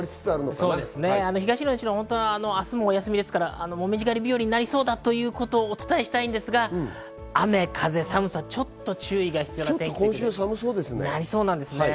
東日本や西日本は明日も休みですからモミジ狩り日和になりそうだということをお伝えしたいんですが、雨、風、寒さ、ちょっと注意が必要です。